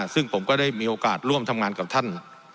ซึ่งผมก็ได้มีโอกาสร่วมทำงานกับท่าน